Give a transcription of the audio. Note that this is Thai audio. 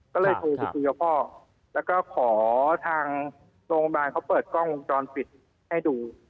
ก็เลยโทรไปคุยกับพ่อแล้วก็ขอทางโรงพยาบาลเขาเปิดกล้องวงจรปิดให้ดู